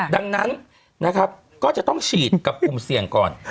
ดังนั้นนะครับก็จะต้องฉีดกับกลุ่มเสี่ยงก่อน